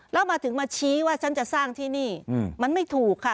แล้วมาถึงมาชี้ว่าฉันจะสร้างที่นี่มันไม่ถูกค่ะ